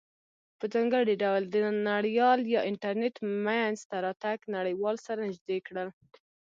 په ځانګړې ډول د نړیجال یا انټرنیټ مینځ ته راتګ نړیوال سره نزدې کړل.